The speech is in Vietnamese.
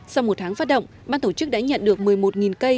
sau một tháng phát động ban tổ chức đã nhận được một mươi một cây